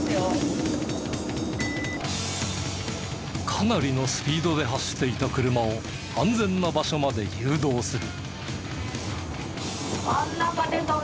かなりのスピードで走っていた車を安全な場所まで誘導する。